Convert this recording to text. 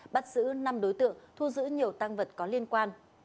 bắt giữ năm đối tượng thu giữ nhiều tăng vật có liên quan